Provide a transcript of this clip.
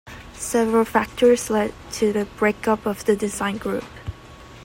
Several factors led to the break-up of the design group.